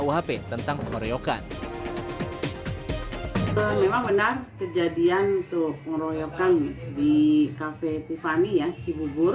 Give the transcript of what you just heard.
memang benar kejadian pengeriokan di cafe tiffany cibubur